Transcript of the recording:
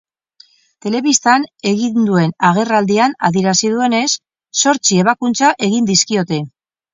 Telebistan egin duen agerraldian adierazi duenez, zortzi ebakuntza egin dizkiote.